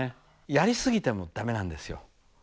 やりすぎても駄目なんですよ。